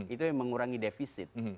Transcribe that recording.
itu yang mengurangi defisit